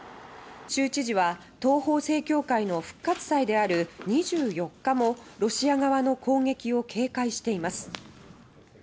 州知事は、東方正教会の復活祭である２４日もロシア側の攻撃を警戒しています。